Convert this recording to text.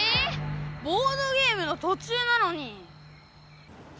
ボードゲームのとちゅうなのに！